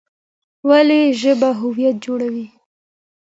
ولې ژبه هویت جوړوي؟